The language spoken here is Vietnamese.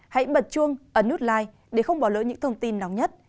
hãy bật chuông ấn nút like để không bỏ lỡ những thông tin nóng nhất